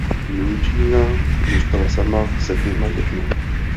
Eugenie zůstala sama se dvěma dětmi.